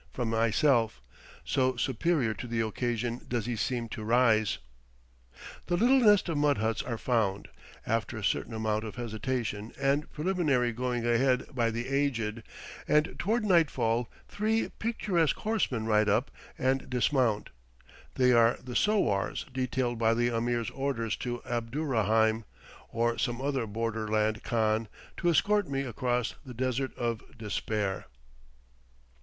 from myself, so superior to the occasion does he seem to rise. The little nest of mud huts are found, after a certain amount of hesitation and preliminary going ahead by "The Aged," and toward nightfall three picturesque horsemen ride up and dismount; they are the sowars detailed by the Ameer's orders to Abdurraheim, or some other border land khan, to escort me across the Desert of Despair.